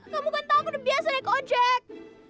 kamu kan tau gue udah biasa naik ojek